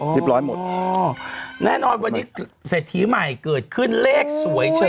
เรียบร้อยหมดแน่นอนวันนี้เศรษฐีใหม่เกิดขึ้นเลขสวยใช่ไหม